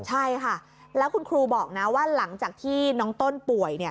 ใช่ค่ะแล้วคุณครูบอกนะว่าหลังจากที่น้องต้นป่วยเนี่ย